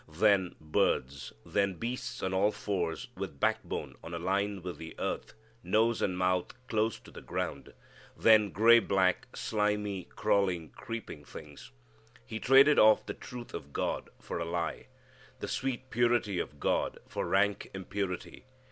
Then birds; then beasts on all fours with backbone on a line with the earth, nose and mouth close to the ground; then gray black, slimy, crawling, creeping things. He traded off the truth of God for a lie; the sweet purity of God for rank impurity.